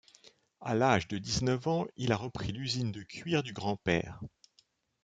À l'âge de dix-neuf ans, il a repris l'usine de cuir du grand-père.